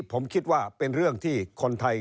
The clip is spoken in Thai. ผมคิดว่าเป็นเรื่องที่คนไทย